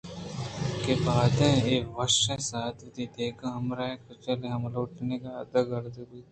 کہ بائدیں اے وشّیں ساعت ءَوتی دگہ ہمراہیں کُچکّے ءَ ہم لوٹائینگ ءُ اد ءَ آرگ بہ بیت